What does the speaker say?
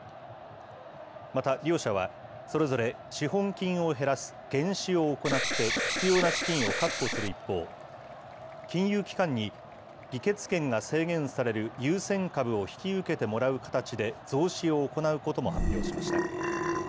また、両社はそれぞれ資本金を減らす減資を行って、必要な資金を確保する一方、金融機関に議決権が制限される優先株を引き受けてもらう形で、増資を行うことも発表しました。